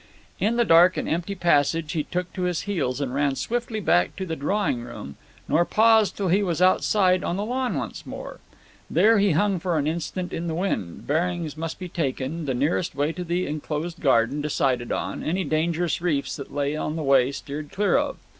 In the dark and empty passage he took to his heels and ran swiftly back to the drawing room, nor paused till he was outside on the lawn once more. There he hung for an instant in the wind; bearings must be taken, the nearest way to the enclosed garden decided on, any dangerous reefs that lay on the way steered clear of.